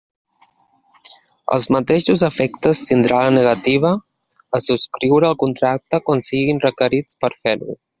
Els mateixos efectes tindrà la negativa a subscriure el contracte quan siguin requerits per fer-ho.